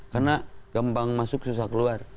karena gampang masuk susah keluar